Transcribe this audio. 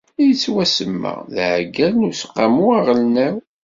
Yettwasemma d aɛeggal n Useqqamu aɣelnaw.